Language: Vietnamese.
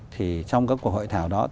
thì trong các hội thảo đó